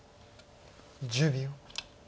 １０秒。